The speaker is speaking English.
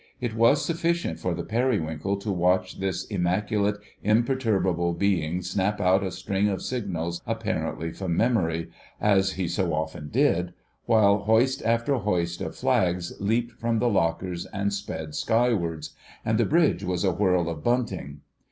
It was sufficient for the Periwinkle to watch this immaculate, imperturbable being snap out a string of signals apparently from memory, as he so often did, while hoist after hoist of flags leaped from the lockers and sped skywards, and the bridge was a whirl of bunting.